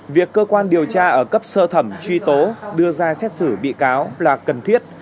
việc cơ quan điều tra ở cấp sơ thẩm truy tố đưa ra xét xử bị cáo là cần thiết